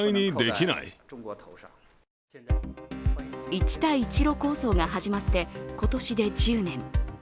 一帯一路構想が始まって今年で１０年。